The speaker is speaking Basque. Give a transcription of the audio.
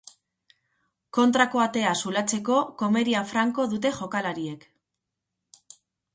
Kontrako atea zulatzeko komeria franko dute jokalariek.